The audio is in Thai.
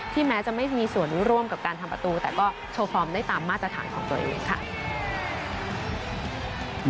แม้จะไม่มีส่วนร่วมกับการทำประตูแต่ก็โชว์ฟอร์มได้ตามมาตรฐานของตัวเองค่ะ